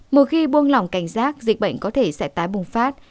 một khi buông lỏng cảnh giác dịch bệnh có thể sẽ tái bùng phát